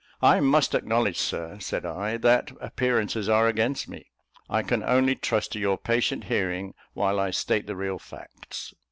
"I must acknowledge, sir," said I, "that appearances are against me. I can only trust to your patient hearing, while I state the real facts.